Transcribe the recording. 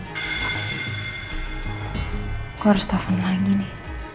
gue harus telfon lagi nih